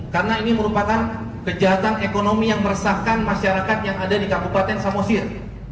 karena ini merupakan kejahatan ekonomi yang meresahkan masyarakat yang ada di kabupaten samosir